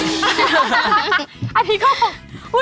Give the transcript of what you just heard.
อาทิเขา